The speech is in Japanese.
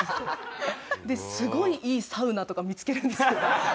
すごいいいサウナとか見つけるんですよ。